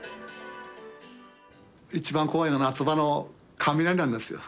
一番怖いのは夏場の雷なんですよ。